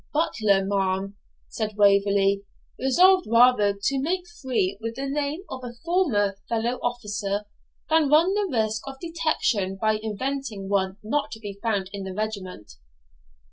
'Butler, ma'am,' said Waverley, resolved rather to make free with the name of a former fellow officer than run the risk of detection by inventing one not to be found in the regiment.